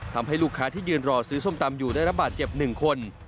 ทำให้ลูกค้าที่ยืนรอซื้อส้มตำอยู่ได้รับบาดเจ็บ๑คน